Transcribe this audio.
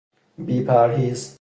بی پرهیز